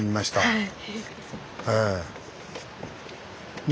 はい。